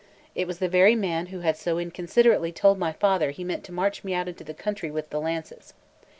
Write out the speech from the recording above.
It was the very man who had so inconsiderately told my father he meant to march me out into the country with the lances.